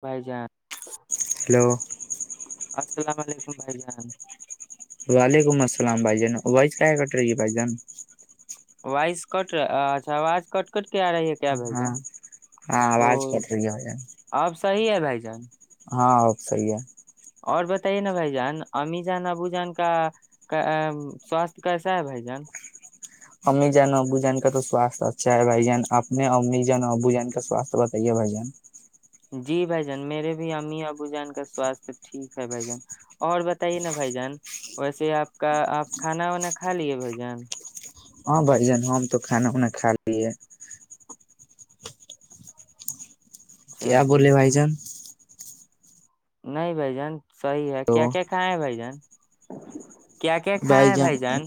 بھائی جان ہیلو السلام علیکم بھائی جان وعلیکم السلام بائی جان وائز کا ہے کٹ رہے ہیں بائی جان وائز کٹ اچھا اواز کٹ کر ہاں ہاں او اواز کٹ رہی ہے بھائی جان اب صحیح ہے بھائی جان ہاں اب صحیح ہے اور بتائیے نا بھائی جان امی جان ابو جان کا سواستھ کیسا ہے بھائی جان امی جان ابو جان کا تو سوستھ اچھا ہے بھائی جان اپنے امی جان ابو جان کا سوستھ بتائیے بھائی جان جی بھائی جان میرے بھی امی ابو جان کا سوستھ ٹھیک ہے بھائی جان اور بتائیے نا بھائی جان ویسے آپ کا آپ کھانا وانا کھا لیے بھائی جان ہاں بھائی جان ہم تو کھانا وانہ کھا لیے کیا چلیے بولے بھائی جان نہیں بھائی جان صحیح ہے تو کیا کیا کھائے ہیں بھائی جان کیا کیا کھائے ہیں بھائی جان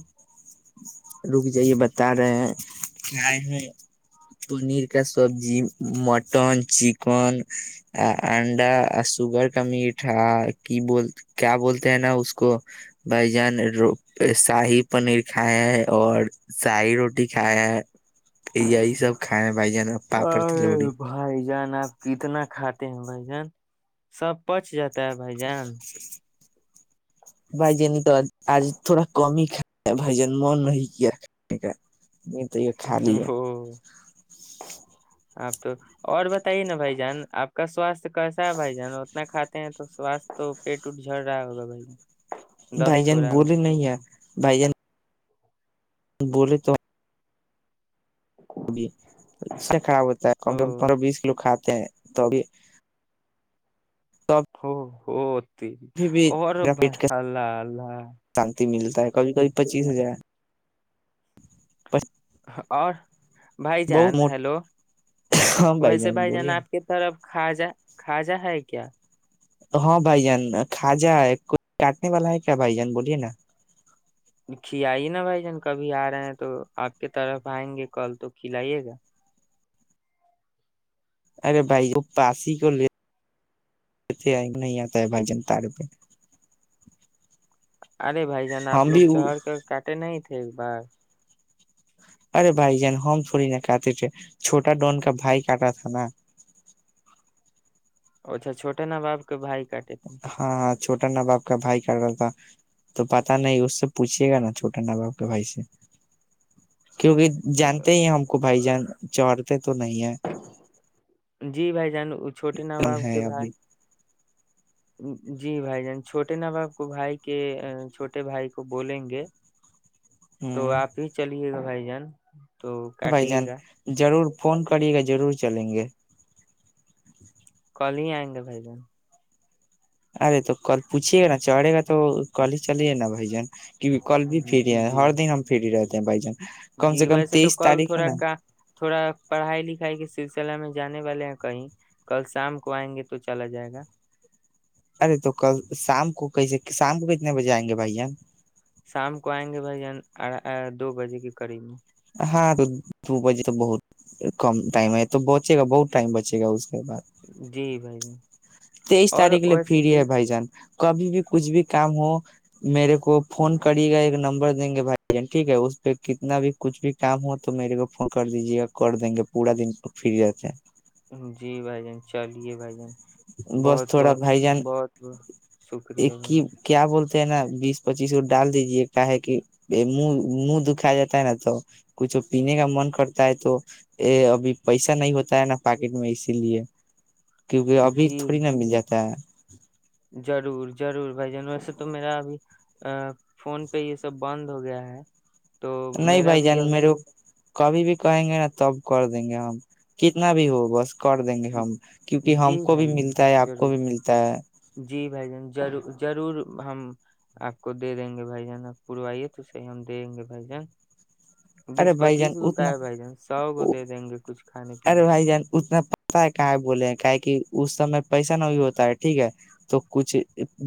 رک جائیے بتا رہے ہیں کیاائے ہیں پنیر کا سبزی مٹن چکن انڈا سوگر کا میٹھ کی بول کیا بولتے ہیں نا اس کو بھائی جان شاہی پنیر کھائے ہیں اور شاہی روٹی کھائے ہیں یہی سب کائےیں بھائی جان ہم پاپڑ تلوڑی ارے بھائی جان آپ کتنا کھاتے ہیں بھائی جان سب پچ جاتا ہے بھائی جان بھائی جن نے تو آج تھوڑا کم ہی کھا بھائی جن من نہیں کیا کھانے کا نہیں تو یہ خیال ہے وہ آپ تو اور بتائیے نا بھائی جان آپ کا سوستھ کیسا ہے بھائی جان اتنا کھاتے ہیں تو سوستھ تو پیٹ اٹ جڑ رہا ہوگا بھائی جان بھائی دست جان ہو رہا بوولے ہوگا نہیں ہے بھائی جن ابھی اس سے خراب ہوتا ہے کم سے کم او پندرہ بیس کلو کھاتے ہیں تو ابھی ہو [unintelligible] بھی اور میرا پیٹ کا اللہ اللہ شانتی ملتا کبھی کبھی پچیس ہزار اور بھائی بہت جان موٹا ہیلو ہاں ویسے بھائی جان بولیے آپ نا کے طرف کواجہ کھواجا ہے کیا ہاں بھائی جان کھاجا ہے کو کاٹنے والا ہے کیا بھائی جان بولیے نا کھلئیے نا بھائی جان کبھی آ رہے ہیں تو آپ کے طرف آئیں گے کل تو کھلائیے گا ارے بھائی وہ پاس ہی کو لی لیتے نہیں آتا ہے بھائی جان تار پہ ارے بھائی جان آپ ہم لوگ بھی چڑھ کر کاٹے نہیں ایکیک بار ارے بھائی جن ہو تھوڑی نہ کاتے تھے چھوٹا ڈون کا بھائی کاٹا تھا نا اچھا چھٹے نا باپ کے بھائی کاٹے تھے ہاں چھوٹا نا باپ کا بھائی کر رہا تھا تو پت نہیں اس سے پوچھیے گا نا چھوٹا ناں باپ کے بھائی سے کیونکہ جانتے ہی ہم کو بھائی جان چڑتے تو نہیں ہے جی بھائی جانو ایکٹل ہے ابھی جی بھائی جان چھوٹے نا باپ کو بھائی کے چھوٹے بھائی کو بولیں گے ہ تو آپ ہی چلیے گا بھائی جان تو بھائی کاٹیے جان گا ضرور فون کریے گا ضرور چلیں گے کل ہی آئیں گے بھائی جن ارے تو کل پوچھیے گا نا چڑھے گا تو کل ہی چلیے نا بھائی جان کل بھی فری آ جان جی ہر دن ہم فری رہے بائ جے جی ویسے تو کل تھوڑا کا تھوڑا پڑھائی ل سلسلہ میں جانے والے کہیں کل شام کو آئیں گے تو چلا جائے گا ارے تو کل شام کو کیسے شام کو کتنے بجے آئیں گے بھائی شام کو آئیں گے بھائی دو بجے کے قریب میں ہاں تو دو بجے تو بہت کم ٹائم ہے تو بچے گا بہت ٹائم بچے گا اس کے بعد جی بھائی تیئیس اور تاریخ لے ویسے فریی ہے بائی جان کبھی بھی کچھ بھی کام ہو میرے کو فون کریے گا ایک نمبر دیں گے بھائی جن ٹھیک ہے اس پہ کتنا بھی کچھ بھی کام ہو تو میرے کو فون کر دیجے گا کر دیں گے پورا دن فری رہتے ہیں جی بھائی جان چلیے بھائی جان ہیں بس بہت تھوڑا بہت بھائی جان بہت بہت ایک شکریہ بھ کی نے کیا بولتے نا بیس پچیس وہ ڈال دیجیے کا ہے کہ من منہ دکھایا جاتا ہے نا تو کچھ پینے کا من کرتا ہے تو ا ابھی پیسہ نہیں ہوتا ہے نا پاکٹ میں اسی لیے کیونکہ اب جان ب جی تھوڑی نا مل جاتا ہے ضرور ضرور بھائی جان ویسے تو میرا ابھی فون پہ یہ سب بند ہو گیا ہے تو نہیں میرا بھائی بھی جان ابھی میریر کبھی بھی کہیں گے نا تب کر دیں گے ہم کتنا بھی ہو بس کر دیں گے ہم کیونکہ ہم جی کو بھی بھائی جان ملتا ہے آپ کو ضرور بھی ملتا ہے جی بھائی جان ضرور ضرور ہم آپ کو دے دیں گے بھائی جان آپ پروائیے تو صحیح ہم دےیں گے بھائی جان ارے بیس بھائی جان پچیس گ کا اتنا ہے بھائی جان سو کو دے دیں گے کچھ کھانے ارے پینے بھائی جان اتنا پتا کہ بولے کا کہ اس سمے پیسہ نہ بھی ہوتا ہے ٹھیک ہے تو کچھ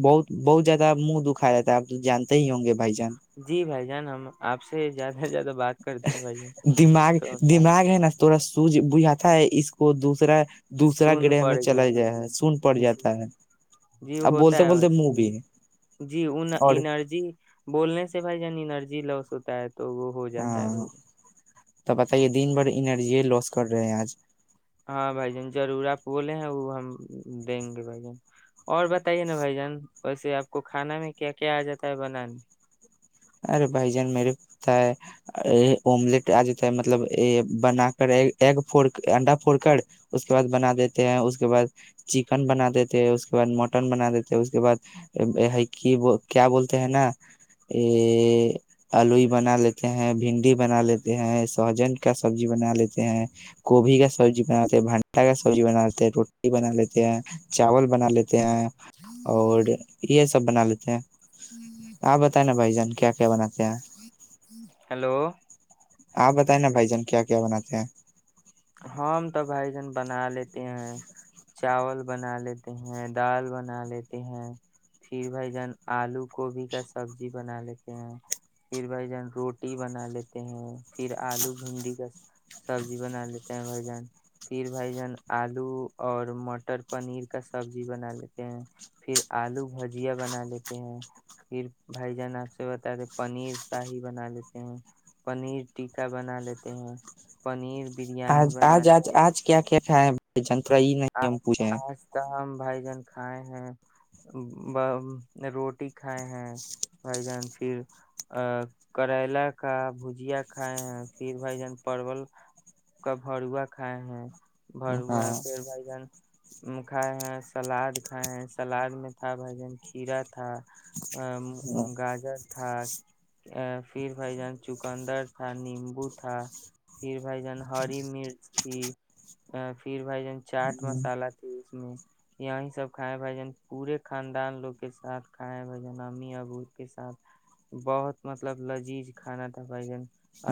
بہت بہت زیادہ منہ دکھا جاتا ہے آپ تو جانتے ہی ہوں گے بھائی جان جی بھائی جان ہم آپ سے زیادہ سے زیادہ بات کرتے ہیں بھائی جان دماغ تو ہم دماغ ہے نا تھڑا سوج بجھات اس کو دوسرا دوسرا سن گرہ پڑ میں گیا چلا جائے ہے سن پڑ جی جاتا ہے جی اب ہوتا بولتے ہے بولتے ویسے منہ بھی جی ان اور انرجی بولنے سے سے بائی جننی ایرجی لس ہوتا ہے تو وہ ہو جاتا ہے ہاں بھائی جان۔ تو بتائیے دین بڑی انرجی لوس کر رہے ہیں آج ہاں بھائی جان ضرور آپ بولے ہیں وہ ہم دیں گے بھائی جن اور بتائیے نا بھائی جان ویسے آپ کو کھانا میں کیا کیا آ جاتا ہے بنانے ارے بھائی جان میرے کو پتا ہے املیٹ آ جاتتا ہے مطلب بنا کر ایگ پھڑ انڈا پھوڑ کر اس کے بعد بنا دیتے ہیں اس کے بعد چکن بنا دیتے ہیں اس کے بعد مٹن بنا دیتے اس کے بعد کیا بولتے ہیں نا یہ اللوئی بنا لیتے ہیں بھنڈی بنا لیتے ہیں سہجن کا سبزی بنا لیتے ہیں گوبھی کا سبزی بنا لیتے بھانٹا کا سبزی بنا لیتے ہیں روٹی بنا لیتے ہیں چاول بنا لیتے ہیں اور یہ سب بنا لیتے ہیں آپ بتا ہے نا بھائی جان کیا کیا بناتے ہیں ہیلو آپ بتائیں نا بھائی جان کیا کیا بناتے ہیں ہم تو بھائی جان بنا لیتے ہیں چاول بنا لیتے ہیں دال بنا لیتے ہیں پھر بھائی جان آلو گبھی کا سبزی بنا لیتے ہیں پھر بھائی جان روٹی بنا لیتے ہیں پھر آلو بھنڈی کا سبزی بنا لیتے بھائی جان پھر بھائی جان آلو اور مٹر پنیر کا سبزی بنا لیتے ہیں پھر آلو بھجیا بنا لیتے ہیں پھر بھائی جان آپ سے بتا دے پنیر شاہی بنا لیتے ہیں پنیر ٹکا بنا لیتے ہیں پنیر بریانی آج بنا آج آج لیتے ہیں آج کیا کھیلا ہاں ج آج آج ت ہم بھائی جان کھائے ہیں روٹی کیں ہیں وائی جان پھر کریلا کا بھجیا کھائے ہیں پھر بھائی جان پرل کا بروا کھائے ہیں ہاں برواپ پ بھائی جان کھائے ہیں سلاد کھائے ہیں سلاد میں تھا بھ جن کھیرا تھا ا گاجر تھا ا پھر بھائی جان چکندر تھا نیمبو تھا پھر بھ جان ہری مرچ تھی ا فھر بھائی جان چاٹ مسالہ تھے اس میں یہیں سب کھائےیں بھائی جان پورے خاندان لوگ کے ساتھ کھائےیں بھ جان امی ابو کے ساتھ بہت مطلب لذیذ کھانا تھا بھ جان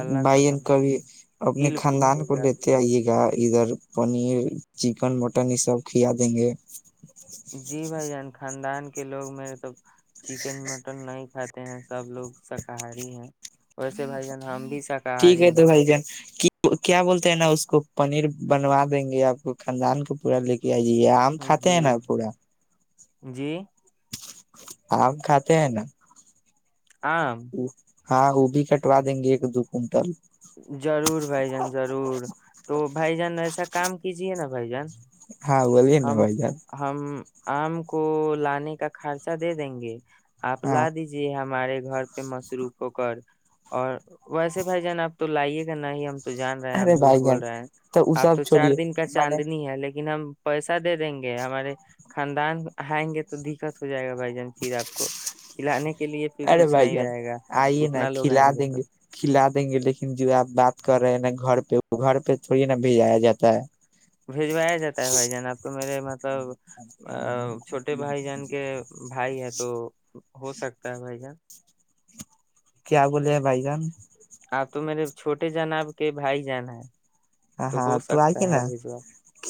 اللہ بھائیین قسم بھائی کبھی اپنے دل خوش خاندان ہو کو گیا لیتے آئیے گا ادھر پنیر چکن مٹن یہ سب کیا دیں گے جی بھائی جان خاندان کے لوگ میرے تو چکن مٹن نہیں کھاتے ہیں سب لوگ شاکاہاری ہیں ویسے بھائی جان ہم بھی ٹھیک شاکاہاری ہے تو بائی جان کیا بولتے ہیں نا اس کو پنیر بنوا دیں گے آپ کو خاندان کو پورا لے کے جی آم کھاتے ہیں نا پورا جی آ ہم کھاتے ہیں نا آ [inaudible] ہاں وہ بھی کٹوا دیں گے ایک دو کنٹل ضرور بھائی جان ضرور تو بھائی جان ایسا کام کیجیے نا بھائی جان [inaudible] ہاں بلیے ن ہم بھائی جان [inaudible] ہم آم کو لانے کا خرچہ دے دیں گے [unintelligible] آپ ہاں لا دیجیے ہمارے [unintelligible] گھر پہ مصروف ہو کر اور ویسے بھائی جان آپ تو لائیے گا ن ہی ہم [inaudible] تو جان رہے ہیں ارے آپ جھوٹ بھائی بول جان رہے ہیں وہ آپ سب تو چار چھوڑیے دن کا میں نے چاندنی ہے لیکن ہم [inaudible] پیسہ دے دیں گے ہمارے خاندان آئیں گے تو دقت ہو جائے گا بھائی جان پھر آپ کو کھلانے [inaudible] ارے کچھ بھائی نہیں جان رہے گا آئیے نا اتنا لوگ کھلا آئیں دیں تو گے کھلا دیں گے لیکن جو آپ بات کر رہے ہیں نا [unintelligible] گھر پہ وہ گھر پہ تھوڑی نا بھیجایا جاتا ہے [inaudible] بھیھجوایا جاتا ہے بھائی جان آپ تو میرے م [unintelligible] مطلب ہے ا چھوٹے بھائی جان کے بھائی ہے تو [inaudible] ہو سکتا ہے بائی چانس [inaudible] کیا بولے ہیں بھائی جان آپ تو میرے چھوٹے جان آب کے بھائی جان ہیں ہ ہاں ہو تو سکتا آئیے ہے نا بھجوا ک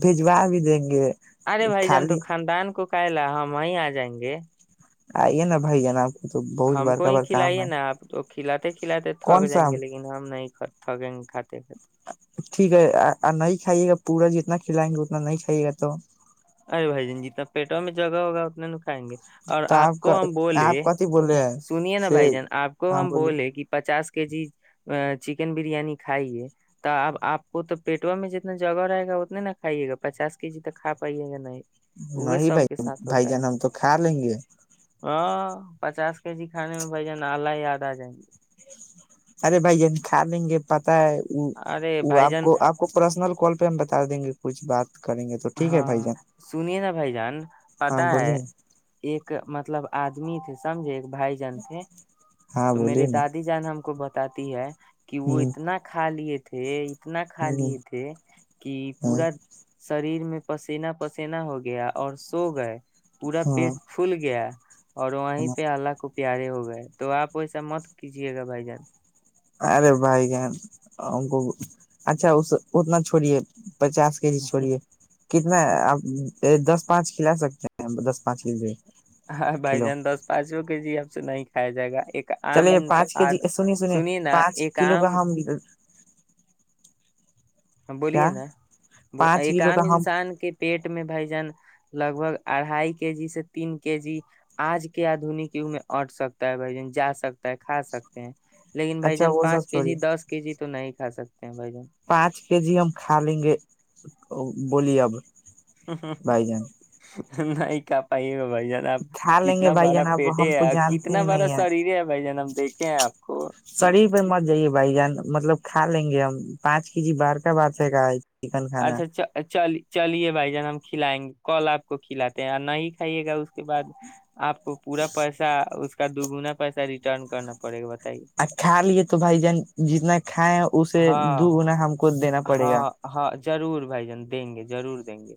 بجوا بھی دیں گے خالی کالا ہم وہیں آ جائیں گے آئی نا بائی جان آپ تو بہت بار کا بار کام ہے کلا ت [unintelligible] کلا تو تھک کون جائیں سا گے لیکن ہم نہیں تھگنگ کات [unintelligible] ٹھیک ہے نہیں کھائیے گا پورا جتنا کھلائیں گے اتنا نہیں کھائیے گا تو ارے بھائی جان جتنا پیٹوں میں جگہ ہوگا اتنا نکھھائیں گے اور تو آپ کا کو ہم آپ بولے کتھی بولے ہیں سنیے نا سے بھائی جان آپ کو ہاں ہم بولیے بولے کہ پچاس کے جی چکن بریانی کھائیے تو اب آپ کو تو پیٹا میں جتنا جگہ رہے گا اتنے نہ کھائیے گا پچاس کے جی تکپ پیے گ نہیں [unintelligible] نہیں بھائی بھائی ہوتا ہے جان ہم تو کھا لیں گے ہاں پچاس کے جی کھانے میں بھ جان آلہ یاد آ جائیں گے ارے بھائیین کا لیں گے پ ارے وہ بھائی آپ جان کو آپ کو پرسنل کال پہ ہم بتا دیں گے کچھ بات کریں گے تو ٹھیک ہے ہاں بھائی جان سنیے نا بھائی جان ہاں پتا ہے بولیے نا ایک مطلب آدمی تھے سمجھے بھائی جان تھ ہاں تو میرے بولیے نا دادی جان ہم کو ب تی ہے [unintelligible] کہ وہ اتنا کھا لیے تھ تھھ اتنا کھا ہ لییے تھے کہ ہاں پورا شریر میں پسینا پسینا ہو گیا اور سو گئے پورا ہاں پیٹ پھول گیا اور وہیں ہاں پہ آلہ کو پیارے ہو گئے تو آپ ایسا مت کیجیے گا بھائی جان ارے بھائی جن کو اچھا اس اتنا چھوڑیے پچاس کے جی چھوڑیے کتنا اب دس پانچ کھلا سکتے ہیں دس پانچ کے ہاں بائی کلو جان دس پانچووں کے جی سے نہیں کایا جائے گا ایک عام چلے پانچ کے جی انسان سنیے سنیے نا پانچ ایک کلو کا عام ہم ہاں بولیے کیا نا پانچ ایک کلو آام کا ہم انسان کے پیٹ بھجن لگ بھگ اڑھائی کے جی سے تین کے جی آج کے آدنیک یوگ میں اٹ سکتا ہے بھجن جا سکتا ہے کھا سکتے ہیں لیکن بھائی اچھا جان وہ سب پانچ کے جی چھوڑیے دس کے جی تو نہیں خ س پانچ کے جی ہم کھا لیں گے بولیے اب بھائی جان ہاں نہیں کیا پائیے گا بھائی جان ب کھا لیں گے کتنا بھائی بڑا جان آپ پیٹے ہم کو ہے جانتے کتنا ہی بڑا نہیں شریر ہے بھائی جان ہم دیکھے ہیں آپ کو کھ لیں گے ہم پانچ کے جی بار کا بات ہے گا ہے اچھا چ چال چلیے بھائی جان ہم کھلائیں گے کل آپ کو کھلاتے ہیں نہیں کھائیے گا اس کے بعد آپ کو پورا پیسہ اس کا دگنا پیسہ ریٹرن کرنا پڑے گا بتائیے آ کھا لیے تو بھائی جان جتنا کھائےیں اسے دو ہاں گنا ہم کو دینا پڑے گا ضور بھائی جان دیں گے ضرور دیں گے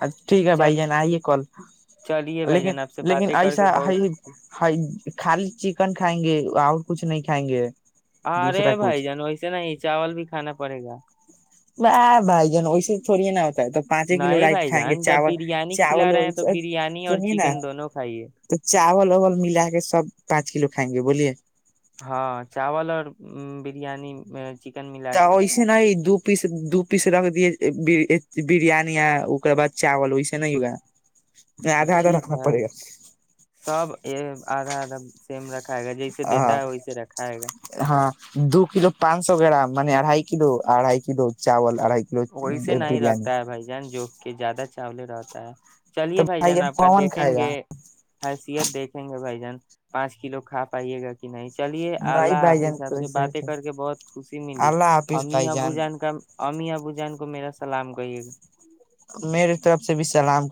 ہ ٹھیک ہے بھائی چل جان آئیے کال چلیے بھائی لیکن جان آپ سے لیکن باتیں کر ایسا کے بہت خالی چکن کھائیں گے اور کچھ نہیں کھائیں گے ارے دوسرا کچھ بھائی جان ویسے نہیں چاول بھی کھانا پڑے گا ب بائی جان ا س چڑیے نا تو پانچے کلو نہیں رائٹ بھائی کھائیں گے جان جب چاول بریانی کھلا چاولول رہے ہیں تو بریانی اور سنیے نا چکن دونوں کھائیے تو چاول اول ملا کے سب پانچ کلو کائیں گے بولیے ہاں چاول اور بریانی چکن ملا کے ویس دپ پیس دو پیس رکھ دیے بریانی ار بع چاول ویسے نہیں ہوگا آدھا آدھا ٹھیک رکھنا ہے پڑے گا سب یہ آدھا آدھا سیم رکھ رکھائے گا جیسے دیتا ہاں ہے ویسے رکھاائے گا ہاں دو کلو پانچ سو گرام اڑھائی کلو اڑھائی کلو چاول اڑھائی کلو ویسے نہیں بریانی رکھتا ہے بھائی جان جو کہ زیادہ چالی رہتا ہے تو چلیے بھائی جان آپ کا کون کھائے دیکھیں گے گا حیثیت دیکھیں گے بھائی جان پانچ کلو کھا پائیے گا کہ نہیں چلیے نہیں اللہ بھائی حافظ جان تو صب سے باتیں کر کے بہت خوشی ملی اللہ حافظ امی بھائی ابو جان کا [inaudible] جان کو میرا سلام کہیے گا میرے طرف سے بھی سلام